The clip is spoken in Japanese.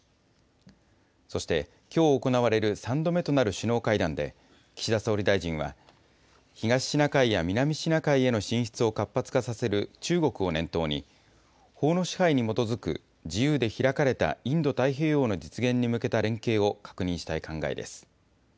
そして、きょう行われる３度目となる首脳会談で、岸田総理大臣は、東シナ海や南シナ海への進出を活発化させる中国を念頭に、法の支配に基づく、自由で開かれたインド太平洋の実現に向けた連携を確認したい考えです。